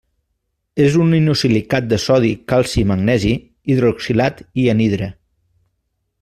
És un inosilicat de sodi, calci i magnesi, hidroxilat i anhidre.